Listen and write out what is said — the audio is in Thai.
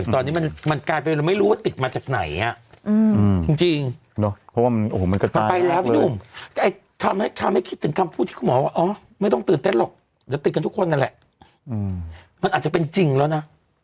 ตอนนี้มันกลายไปเราไม่รู้ว่าติดมาจากไหน